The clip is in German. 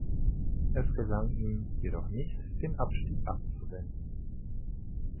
Es gelang ihm jedoch nicht, den Abstieg abzuwenden.